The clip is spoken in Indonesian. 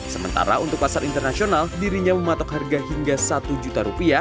sementara untuk pasar internasional dirinya mematok harga hingga rp satu